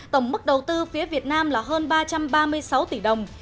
tổng mức đầu tư phía việt nam là hơn ba trăm ba mươi sáu tỷ đồng